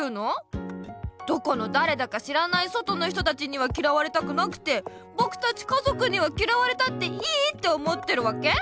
どこのだれだか知らない外の人たちにはきらわれたくなくてぼくたち家族にはきらわれたっていいって思ってるわけ？